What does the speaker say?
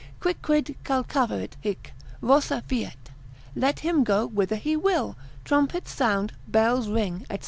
Quicquid calcaverit hic, Rosa fiet, let him go whither he will, trumpets sound, bells ring, &c.